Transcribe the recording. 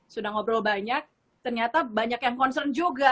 sudah ngobrol banyak ternyata banyak yang concern juga